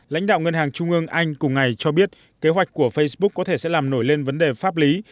lãnh đạo ngân hàng trung ương anh cùng ngày cho biết kế hoạch của facebook có thể sẽ làm nổi lên vấn đề pháp lý